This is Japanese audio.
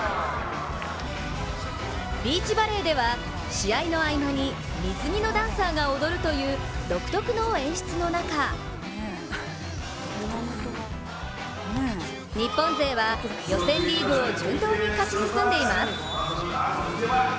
ビーチバレーでは試合の合間に水着のダンサーが踊るという独特の演出の中日本勢はペースを乱されることなく予選リーグを順当に勝ち進んでいます。